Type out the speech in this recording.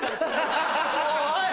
おい！